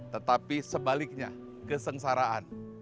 tetapi sebaliknya kesengsaraan